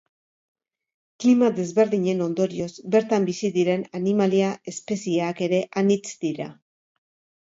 Klima desberdinen ondorioz, bertan bizi diren animalia-espezieak ere anitz dira.